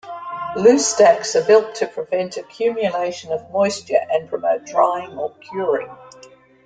Loose stacks are built to prevent accumulation of moisture and promote drying, or curing.